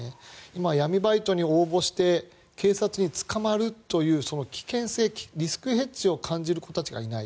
今、闇バイトに応募して警察に捕まるというその危険性、リスクヘッジを感じる子たちがいない。